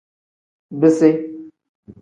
Bisi.